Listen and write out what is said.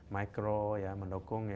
micro ya mendukung